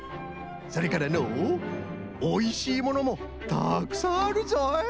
それからのうおいしいものもたくさんあるぞい！